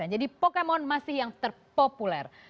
jadi pokemon masih yang terpopuler